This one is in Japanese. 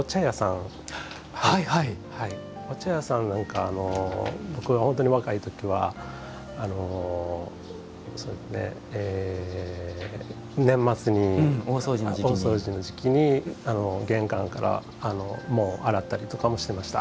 お茶屋さんなんか僕が本当に若い時は年末に、大掃除の時期に玄関から洗ったりとかもしていました。